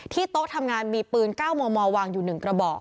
โต๊ะทำงานมีปืน๙มมวางอยู่๑กระบอก